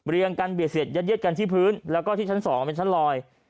เรียงกันเบียดเผียชเซ็นซ์ยัดเย็ดกันที่พื้นทาง๒เป็นชั้นลอย